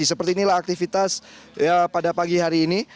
jadi seperti inilah aktivitas pada pagi hari ini